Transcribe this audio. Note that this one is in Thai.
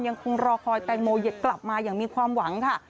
ยังคงรอคอยแตงโมกลับมาอย่างมีความหวังค่ะ